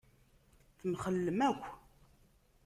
Temxellem akk.